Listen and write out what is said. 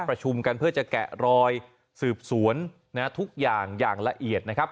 ประชุมกันเพื่อจะแกะรอยสืบสวนทุกอย่างอย่างละเอียดนะครับ